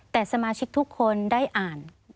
แต่สมาชิกทุกคนได้อ่าน